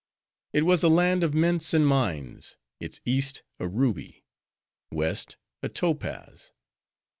It was a land of mints and mines; its east a ruby; west a topaz.